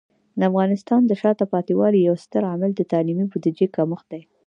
د افغانستان د شاته پاتې والي یو ستر عامل د تعلیمي بودیجې کمښت دی.